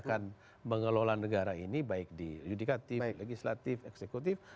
dan mengelola negara ini baik di adjudikatif legislatif eksekutif